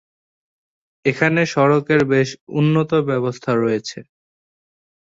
এখানে সড়কের বেশ-উন্নত ব্যবস্থা রয়েছে।